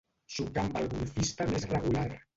Xocar amb el golfista més regular.